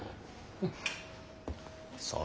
うん。